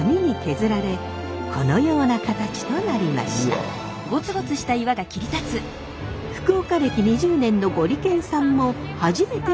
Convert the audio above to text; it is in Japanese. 福岡歴２０年のゴリけんさんも初めて見る光景。